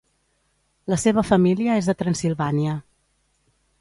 La seva família es de Transsilvània.